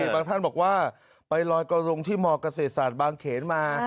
บางท่านบอกว่าไปลอยกระทรงที่มเกษตรศาสตร์บางเขนมา